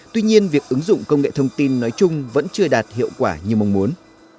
tuy nhiên việc ứng dụng công nghệ thông tin nói chung vẫn chưa đạt hiệu quả như mong muốn